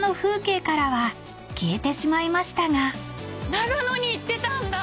長野に行ってたんだ！